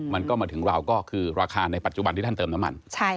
มันก็มาถึงเราก็คือราคาในปัจจุบันที่ท่านเติมน้ำมัน